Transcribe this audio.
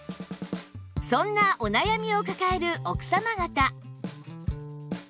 そんなお悩みを抱える奥様方